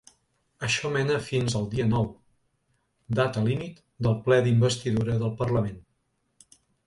Això mena fins el dia nou, data límit del ple d’investidura del parlament.